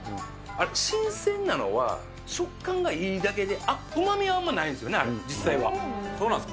あれ、新鮮なのは、食感がいいだけで、あっ、うまみはあまりないんですよね、そうなんですか。